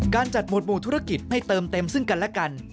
การจัดหวดหมู่ธุรกิจให้เติมเต็มซึ่งกันและกัน